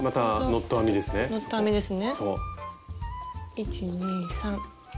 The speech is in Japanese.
１２３。